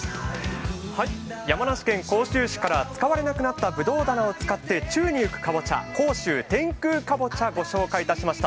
山梨県甲州市から使われなくなったぶどう棚を使って宙に浮くかぼちゃ、甲州天空かぼちゃをご紹介しました。